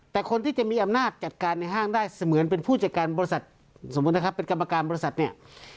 แต่คนที่จะมีอำนาจจัดการในห้างได้เสมือนเป็นผู้จัดการบริษัทสมมุตินะครับเป็นกรรมการบริษัทเนี่ย